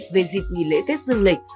về dịp nghỉ lễ tết dương lịch